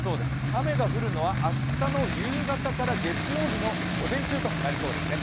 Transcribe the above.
雨が降るのは明日の夕方から月曜日の午前中となりそうですね